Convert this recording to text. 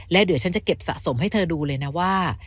แล้วเดี๋ยวฉันจะเก็บสะสมให้เธอดูเลยนะว่า